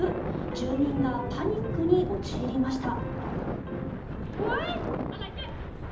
住民がパニックに陥りました。